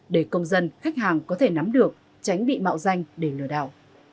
để công dân khách hàng có thể nắm được tránh bị mạo danh để lừa đảo